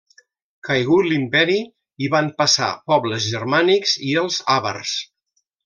Caigut l'imperi hi van passar pobles germànics i els àvars.